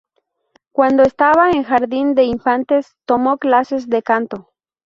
Cuando estaba en jardín de infantes, tomó clases de canto.